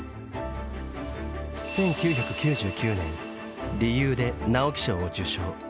１９９９年「理由」で直木賞を受賞。